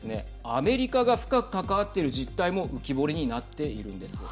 アメリカが深く関わっている実態も浮き彫りになっているんです。